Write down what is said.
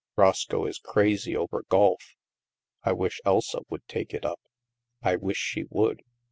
Roscoe is crazy over golf. I wish Elsa would take it up." " I wish she would.